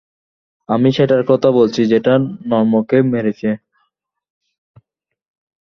আমি সেটার কথা বলছি যেটা নর্মকে মেরেছে।